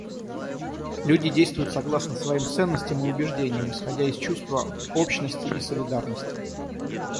Люди действуют согласно своим ценностям и убеждениям, исходя из чувства общности и солидарности.